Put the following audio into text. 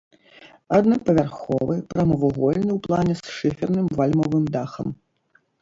Аднапавярховы, прамавугольны ў плане з шыферным вальмавым дахам.